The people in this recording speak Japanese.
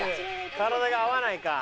体が合わないか。